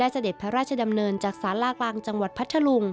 เสด็จพระราชดำเนินจากสารากลางจังหวัดพัทธลุง